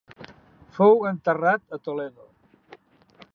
Fou enterrat a Toledo.